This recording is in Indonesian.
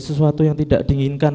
sesuatu yang tidak diinginkan